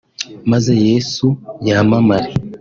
maze Yesu yamamare